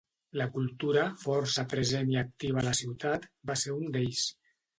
La cultura, força present i activa a la ciutat, va ser un d'ells.